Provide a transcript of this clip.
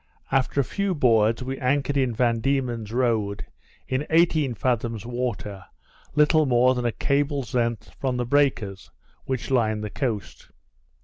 After a few boards, we anchored in Van Diemen's Road, in eighteen fathoms water, little more than a cable's length from the breakers, which line the coast.